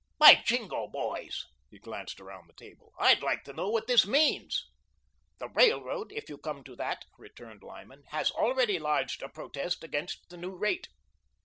By Jingo, boys," he glanced around the table, "I'd like to know what this means." "The Railroad, if you come to that," returned Lyman, "has already lodged a protest against the new rate."